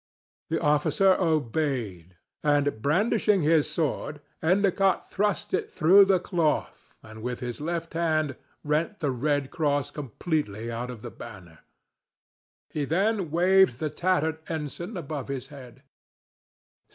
The officer obeyed, and, brandishing his sword, Endicott thrust it through the cloth and with his left hand rent the red cross completely out of the banner. He then waved the tattered ensign above his head.